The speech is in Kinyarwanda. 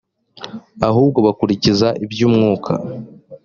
ahubwo bakurikiza iby umwuka